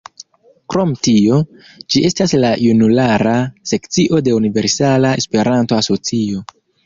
Krom tio, ĝi estas la junulara sekcio de Universala Esperanto-Asocio.